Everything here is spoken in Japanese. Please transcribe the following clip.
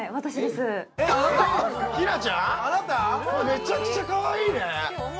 めちゃくちゃかわいいね。